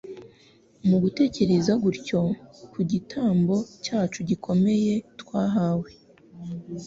Mu gutekereza dutyo ku gitambo cyacu gikomeye twahawe,